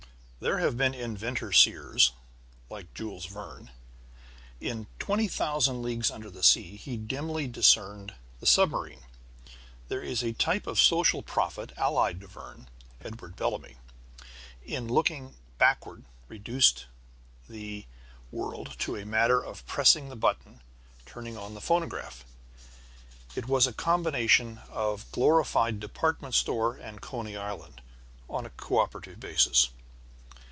There have been inventor seers like Jules Verne. In Twenty Thousand Leagues under the Sea he dimly discerned the submarine. There is a type of social prophet allied to Verne. Edward Bellamy, in Looking Backward, reduced the world to a matter of pressing the button, turning on the phonograph. It was a combination of glorified department store and Coney Island, on a cooperative basis.